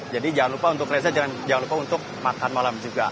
jadi jangan lupa untuk reza jangan lupa untuk makan malam juga